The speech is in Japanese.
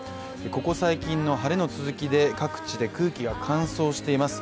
ここ最近の晴れの続きで各地で空気が乾燥しています。